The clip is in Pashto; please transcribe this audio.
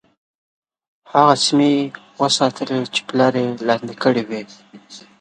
هغه سیمي یې وساتلې چې پلار یې لاندي کړې وې.